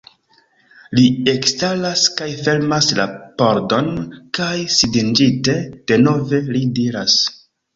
Li ekstaras kaj fermas la pordon kaj sidiĝinte denove, li diras: